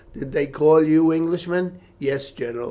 Did they call you Englishman?" "Yes, General.